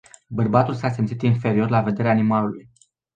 Bărbatul s-a simțit inferior la vederea animalului.